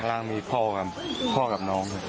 ข้างล่างมีพ่อกับน้อง